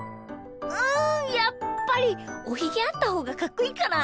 うんやっぱりおひげあったほうがかっこいいかな？